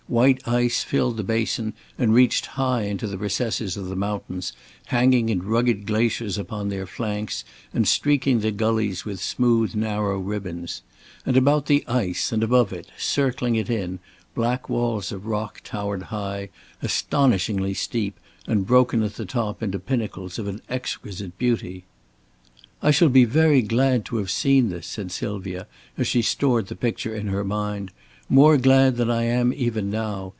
White ice filled the basin and reached high into the recesses of the mountains, hanging in rugged glaciers upon their flanks, and streaking the gullies with smooth narrow ribands. And about the ice, and above it, circling it in, black walls of rock towered high, astonishingly steep and broken at the top into pinnacles of an exquisite beauty. "I shall be very glad to have seen this," said Sylvia, as she stored the picture in her mind, "more glad than I am even now.